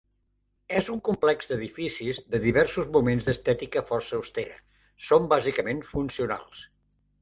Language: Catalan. És un complex d'edificis de diversos moments d'estètica força austera, són bàsicament funcionals.